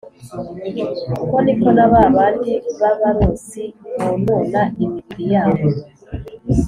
uko ni ko na ba bandi b’abarosi bonona imibiri yabo